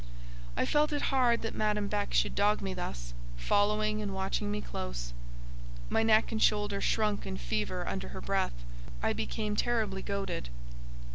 I felt it hard that Madame Beck should dog me thus; following and watching me close; my neck and shoulder shrunk in fever under her breath; I became terribly goaded.